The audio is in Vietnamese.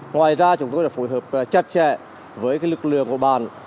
ngoài ra chúng tôi đã phối hợp chặt chẽ với lực lượng của bàn